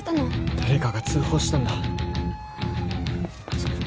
誰かが通報したんだ。